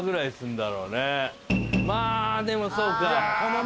まあでもそうか。